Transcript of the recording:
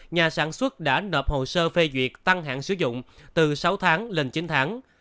nhà sản xuất đã nộp hồ sơ phê duyệt tăng hạn sử dụng từ sáu tháng lên chín tháng